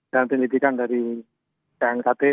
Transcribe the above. dan penelitikan dari knkt